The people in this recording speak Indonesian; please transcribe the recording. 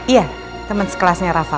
iya temen sekelasnya rafa